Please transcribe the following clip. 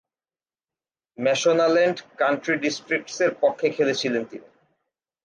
Mashonaland country ডিস্ট্রিক্টসের পক্ষে খেলেছিলেন তিনি।